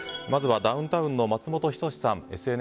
ダウンタウンの松本人志さん。